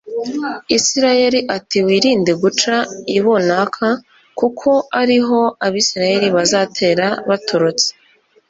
isirayeli ati “wirinde guca ibunaka kuko ari ho abasiriya bazatera baturutse